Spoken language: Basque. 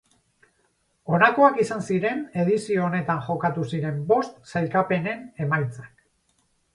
Honakoak izan ziren edizio honetan jokatu ziren bost sailkapenen emaitzak.